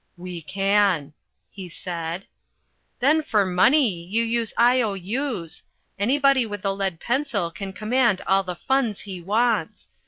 "We can," he said. "Then for money you use I.O.U.'s. Anybody with a lead pencil can command all the funds he wants.